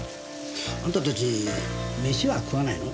あんたたちメシは食わないの？